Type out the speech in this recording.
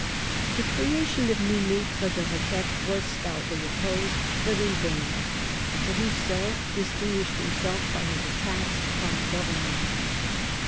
The creation of new mattres de requites was stoutly opposed, but in vain, Broussel distinguishing himself by his attacks upon the government.